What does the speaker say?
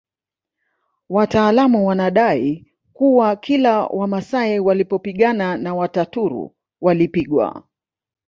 Wataalamu wanadai kuwa kila Wamasai walipopigana na Wataturu walipigwa